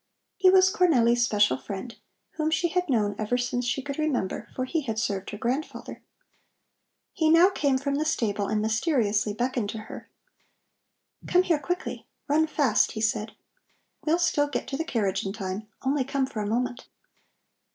He was Cornelli's special friend, whom she had known ever since she could remember, for he had served her grandfather. He now came from the stable and mysteriously beckoned to her: "Come here quickly, run fast!" he said. "We'll still get to the carriage in time. Only come for a moment."